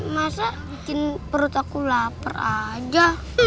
masa bikin perut aku lapar aja